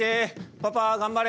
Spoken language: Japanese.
パパ頑張れ！